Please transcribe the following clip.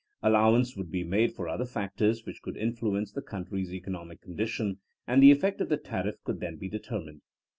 Allowance would be made for other fac tors which could influence the country's eco nomic condition and the effect of the tariff could then be determined.